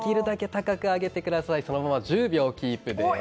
そのまま１０秒キープです。